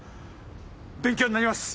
勉強になります！